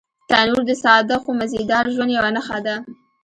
تنور د ساده خو مزيدار ژوند یوه نښه ده